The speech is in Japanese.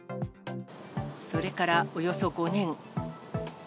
それからおよそ５年。